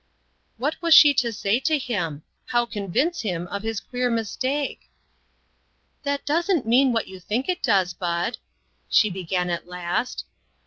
What was she to say to him ? How convince him of his queer mistake ?" That doesn't mean what you think it does, Bud," she began at last.